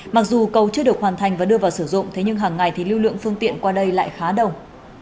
mặc dù cầu chưa được hoàn thành và đưa vào sử dụng thế nhưng hàng ngày thì lưu lượng phương tiện qua đây lại khá đông